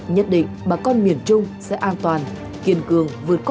nhất định bà con miền trung sẽ an toàn kiên cường vượt qua mọi gian khó